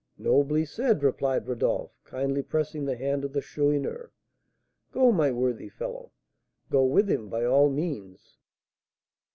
"Nobly said!" replied Rodolph, kindly pressing the hand of the Chourineur. "Go, my worthy fellow! Go with him, by all means!"